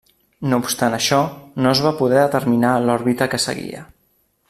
No obstant això, no es va poder determinar l'òrbita que seguia.